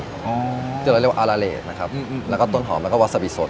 อ๋อที่เราเรียกว่าอาราเลสนะครับอืมอืมอืมแล้วก็ต้นหอมแล้วก็วาซาบีสด